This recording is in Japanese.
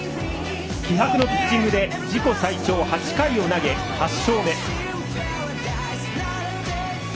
気迫のピッチングで自己最長８回を投げ８勝目。